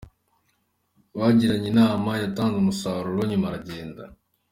Bagiranye inama yatanze umusaruro, nyuma aragenda.